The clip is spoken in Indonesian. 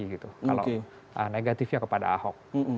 kalau negatifnya kepada ahok